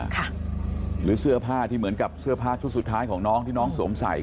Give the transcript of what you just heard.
หรือเสื้อผ้าที่เหมือนกับเสื้อผ้าชุดสุดท้ายของน้องที่น้องสวมใส่